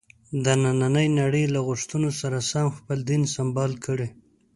د نننۍ نړۍ له غوښتنو سره سم خپل دین سمبال کړي.